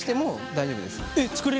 大丈夫です。